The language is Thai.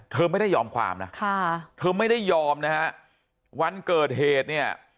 เธอไม่ได้ยอมความนะค่ะเธอไม่ได้ยอมนะฮะวันเกิดเหตุเนี่ย